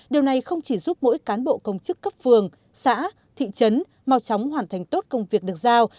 điều này không chỉ giúp mỗi cán bộ công chức cấp phường xã thị trấn mau chóng hoàn thành tốt công việc được giao